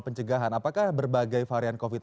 pencegahan apakah berbagai varian covid sembilan belas